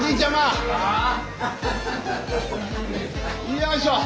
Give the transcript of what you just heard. よいしょ！